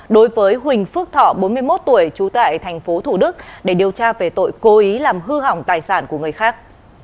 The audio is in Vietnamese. đối với huỳnh phước thọ bốn mươi một tuổi trú tại tp thủ đức để điều tra về tội cố ý làm hư hỏng tài sản của người khác